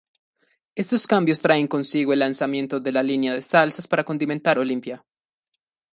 Estos cambios traen consigo el lanzamiento de la línea de Salsas para Condimentar Olympia.